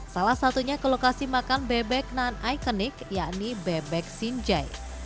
salah satunya ke lokasi makan bebek non ikonik yakni bebek sinjai